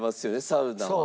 サウナは。